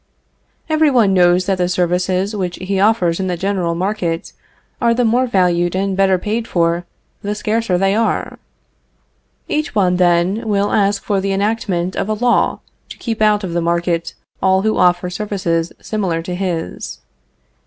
Every one knows that the services which he offers in the general market are the more valued and better paid for, the scarcer they are. Each one, then, will ask for the enactment of a law to keep out of the market all who offer services similar to his.